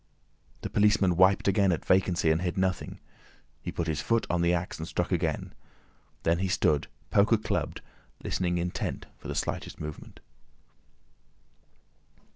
The policeman wiped again at vacancy and hit nothing; he put his foot on the axe, and struck again. Then he stood, poker clubbed, listening intent for the slightest movement.